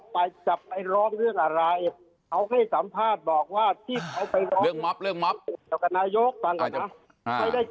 ผมต้องบอกกกีฤษัทวันฯนะ